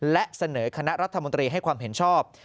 และเสนอคณะรัฐมนตรีให้ความเห็นชอบ